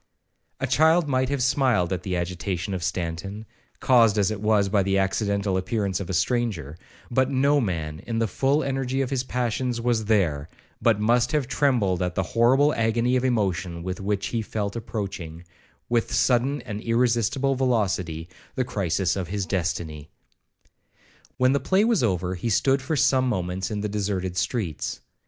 A child might have smiled at the agitation of Stanton, caused as it was by the accidental appearance of a stranger; but no man, in the full energy of his passions, was there, but must have trembled at the horrible agony of emotion with which he felt approaching, with sudden and irresistible velocity, the crisis of his destiny. When the play was over, he stood for some moments in the deserted streets.